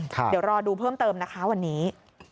เดี๋ยวรอดูเพิ่มเติมนะคะวันนี้